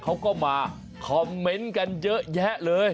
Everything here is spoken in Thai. เขาก็มาคอมเมนต์กันเยอะแยะเลย